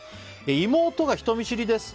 妹が人見知りです。